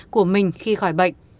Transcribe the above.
của mình khi khỏi bệnh